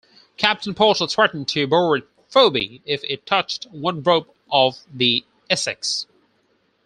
Captain Porter threatened to board "Phoebe" if it touched one rope of the "Essex".